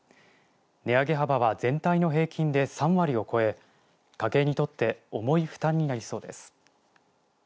値上げ幅は全体の平均で３割を超え家計にとって重い負担になりそうです。